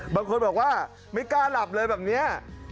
บางคนบอกว่าไม่กล้าหลับเลยแบบนี้